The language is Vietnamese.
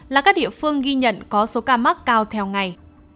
là các địa phương ghi nhận có số ca mắc cao theo ngày